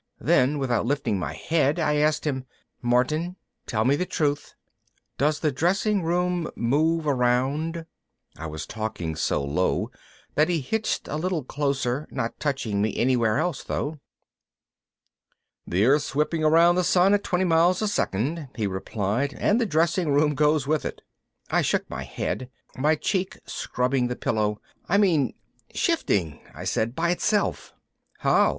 Then without lifting my head I asked him, "Martin, tell me the truth. Does the dressing room move around?" I was talking so low that he hitched a little closer, not touching me anywhere else though. "The Earth's whipping around the sun at 20 miles a second," he replied, "and the dressing room goes with it." I shook my head, my cheek scrubbing the pillow, "I mean ... shifting," I said. "By itself." "How?"